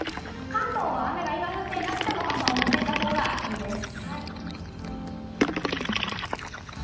関東は雨が、今降っていなくても、傘を持っていたほうがいいです。